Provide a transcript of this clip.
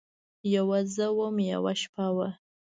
یوه زه وم، یوه شپه وه